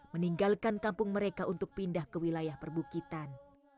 meninggalkan kampung mereka untuk pindah ke wilayah perbukitan